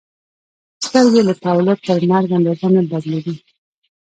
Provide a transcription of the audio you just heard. سترګې له تولد تر مرګ اندازه نه بدلېږي.